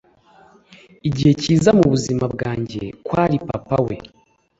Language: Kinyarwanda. Igice cyiza mubuzima bwanjye kwari papa we